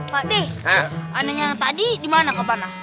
pak ade anaknya tadi dimana kapan